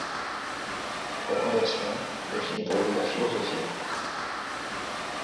La conversion définit pour lui la philosophie.